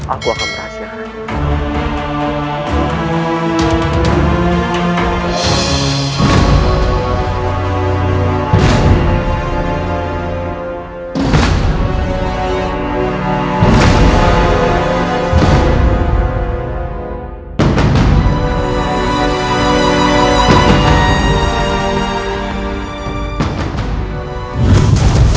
aku akan merahasiakan